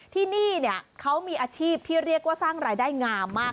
ที่นี่เขามีอาชีพที่เรียกว่าสร้างรายได้งามมาก